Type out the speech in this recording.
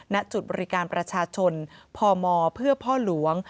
ณจุดบริการประชาชนพมเพื่อพ่อหลวง